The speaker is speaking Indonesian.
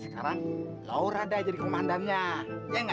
sekarang laura dah jadi komandannya ya gak